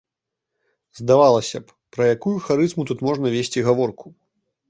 Здавалася б, пра якую харызму тут можна весці гаворку!